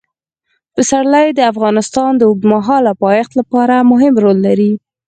پسرلی د افغانستان د اوږدمهاله پایښت لپاره مهم رول لري.